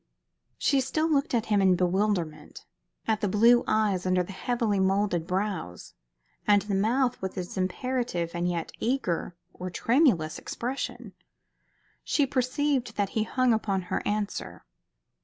She still looked at him in bewilderment, at the blue eyes under the heavily moulded brows, and the mouth with its imperative, and yet eager or tremulous? expression. She perceived that he hung upon her answer.